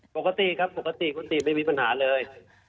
ปกติครับปกติคุณติไม่มีปัญหาเลย